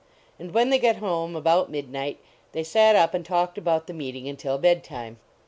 And when they got home, about midnight, they sat up and talked about the meeting until bed time.